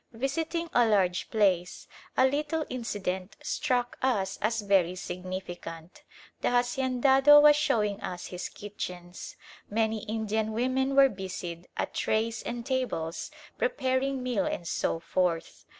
Visiting a large place, a little incident struck us as very significant. The haciendado was showing us his kitchens. Many Indian women were busied at trays and tables preparing meal and so forth.